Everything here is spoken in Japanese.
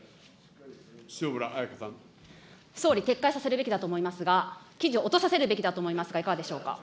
総理、撤回させるべきだと思いますが、記事、落とさせるべきだと思いますが、いかがでしょうか。